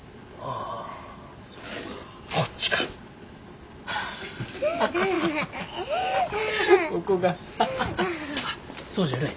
あっそうじゃるい。